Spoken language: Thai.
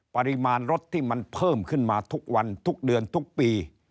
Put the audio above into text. ปริมาณรถที่มันเพิ่มขึ้นมาทุกวันทุกเดือนทุกปี